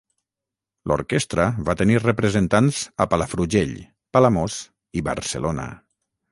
L’orquestra va tenir representants a Palafrugell, Palamós i Barcelona.